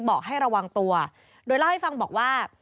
บอกให้ระวังตัวโดยเล่าให้ฟังบอกว่า